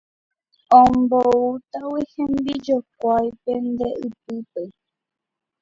Omboútagui hembijokuáipe nde ypýpe